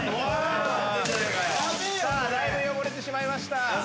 さあだいぶ汚れてしまいました。